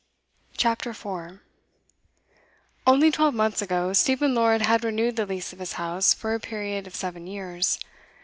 CHAPTER 4 Only twelve months ago Stephen Lord had renewed the lease of his house for a period of seven years.